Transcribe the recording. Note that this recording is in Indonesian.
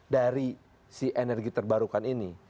dari si energi terbarukan ini